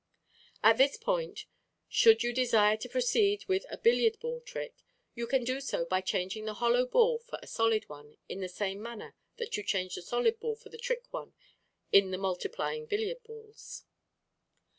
At this point, should you desire to proceed with a billiard ball trick, you can do so by changing the hollow ball for a solid one in the same manner that you changed the solid ball for the trick one in the "Multiplying Billiard Balls."